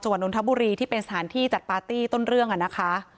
จังหวัดนทบุรีที่เป็นสถานที่จัดต้นเรื่องอ่ะนะคะ